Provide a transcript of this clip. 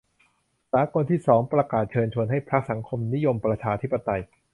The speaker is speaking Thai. สากลที่สองประกาศเชิญชวนให้พรรคสังคมนิยมประชาธิปไตย